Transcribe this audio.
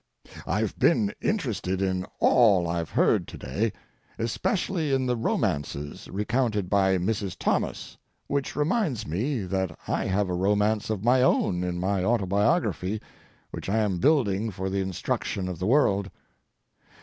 I've been interested in all I've heard to day, especially in the romances recounted by Mrs. Thomas, which reminds me that I have a romance of my own in my autobiography, which I am building for the instruction of the world.